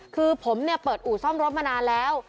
คือผมเปิดอู่ซ่อมรถมานานแล้ว